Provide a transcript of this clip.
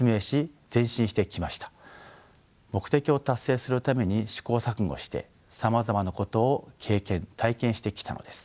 目的を達成するために試行錯誤してさまざまなことを経験体験してきたのです。